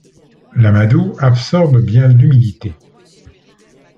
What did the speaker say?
L'amadou absorbe bien l'humidité.